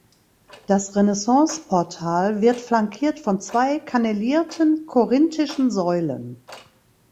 Das Renaissanceportal wird flankiert von zwei Kannelierten korinthischen Säulen.